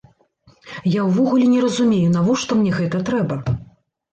Я ўвогуле не разумею, навошта мне гэта трэба.